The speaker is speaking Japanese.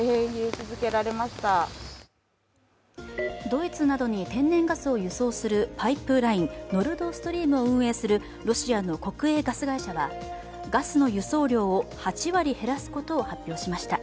ドイツなどに天然ガスを輸送するパイプライン、ノルドストリームを運営するロシアの国営ガス会社はガスの輸送量を、８割減らすことを発表しました。